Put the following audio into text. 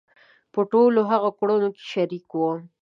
په ټولو هغو کړنو کې شریک وو.